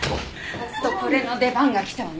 やっとこれの出番が来たわね。